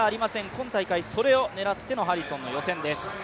今大会それを狙ってのハリソンの予選です。